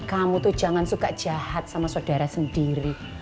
kamu tuh jangan suka jahat sama saudara sendiri